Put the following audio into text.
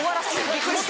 びっくりした。